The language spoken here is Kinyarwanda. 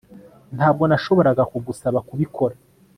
Ntabwo nashoboraga kugusaba kubikora